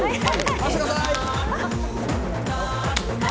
回してください。